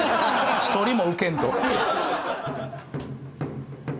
１人もウケんと。